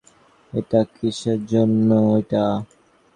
ঐটা কিসের জন্য?